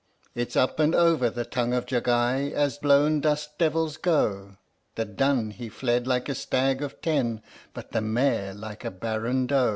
It's up and over the Tongue of Jagai, as blown dustdevils go, The dun he fled like a stag of ten, but the mare like a barren doe.